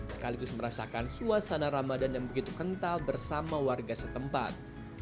sekaligus merasakan suasana ramadan yang begitu kental bersama warga setempat